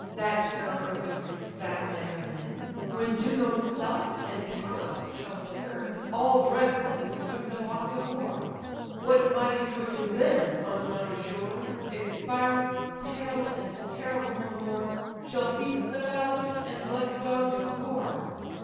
(That terror of the Greeks, that man of men) When Juno's self, and Pallas shall appear, All dreadful in the crimson walks of war! What mighty Trojan then, on yonder shore, Expiring, pale, and terrible no more, Shall feast the fowls, and glut the dogs with gore?"